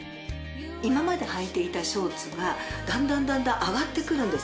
今まではいていたショーツはだんだんだんだん上がってくるんですね。